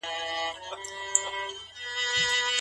د سهار په لمانځه پسي تګ ګټور دی.